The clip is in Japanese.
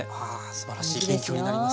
すばらしい勉強になります。